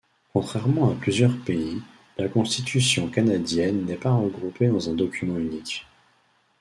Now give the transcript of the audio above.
Contrairement à plusieurs pays, la Constitution canadienne n'est pas regroupé dans un document unique.